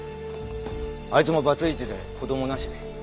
あいつもバツイチで子供なし。